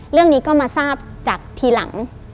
เรื่องนี้ก็มาทราบจากทีหลัง